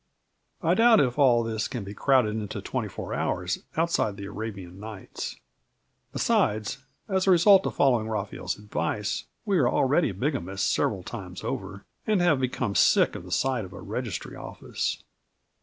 I doubt if all this can be crowded into twenty four hours outside The Arabian Nights. Besides, as a result of following Raphael's advice, we are already bigamists several times over, and have become sick of the sight of a Registry Office.